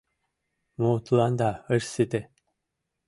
— Мо тыланда ыш сите?